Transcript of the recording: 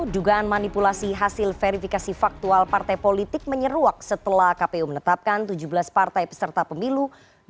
dugaan manipulasi hasil verifikasi faktual partai politik menyeruak setelah kpu menetapkan tujuh belas partai peserta pemilu dua ribu sembilan belas